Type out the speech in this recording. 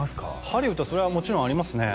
ハリウッドはそれはもちろんありますね